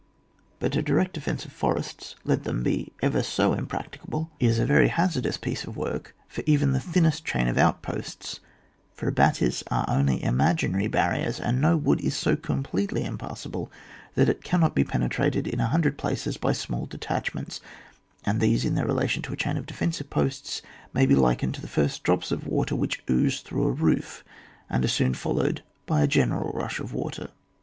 But a direct defence of forests, let them be ever so impracticable, is a very CHAP xxn.] THE CORDON. 151 hazardous piece of work for even the thinnest chain of outposts ; for abattis are only imaginary barriers, and no wood is so completely impassable that it cannot be penetrated in a hundred places by small detachments, and these, in their relation to a chain of defensive posts, may be likened to the first drops of water which ooze through a roof and are soon followed by a general rush of water.